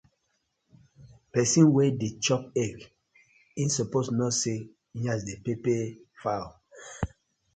Pesin wey dey chop egg e suppose kno say yansh dey pepper fowl.